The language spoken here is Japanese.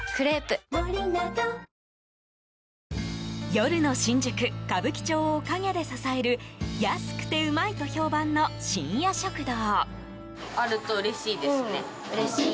夜の新宿・歌舞伎町を陰で支える安くてうまいと評判の深夜食堂。